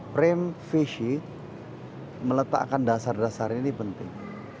prem fisih meletakkan dasar dasar ini penting